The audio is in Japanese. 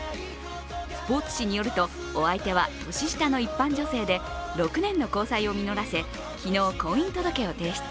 スポーツ紙によるとお相手は年下の一般女性で、６年の交際を実らせ、昨日、婚姻届を提出。